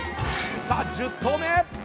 さあ１０投目。